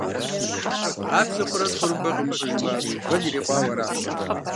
Къабзэ хъурэ тхъурымбэ къимыщӀыжмэ, вэн ирикъуауэ аращ.